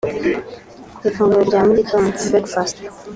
ifunguro rya mu gitondo (Breakfast)